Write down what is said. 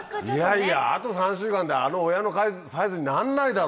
いやいやあと３週間であの親のサイズになんないだろ！